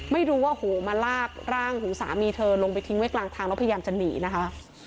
ไม่รู้ว่าโหมาลากร่างของสามีเธอลงไปทิ้งไว้กลางทางแล้วพยายามจะหนีนะคะ